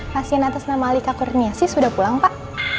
pasien atas nama alika kurniasi sudah pulang pak